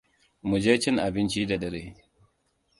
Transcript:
Mu je cin abinci da dare!